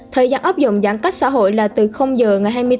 thời gian áp dụng giãn cách xã hội là từ h ngày hôm nay